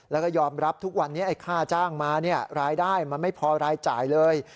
แล้วก็ยอมรับทุกวันนี้ไอ้ค่าจ้างมารายได้มันไม่พอรายจ่ายเลย